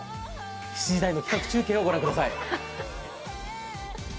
７時台の企画中継をご覧ください。